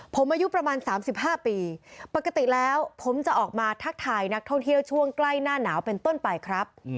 ผมอายุประมาณ๓๕ปีปกติแล้วผมจะออกมาทักทายนักท่องเที่ยวช่วงใกล้หน้าหนาวเป็นต้นไปครับ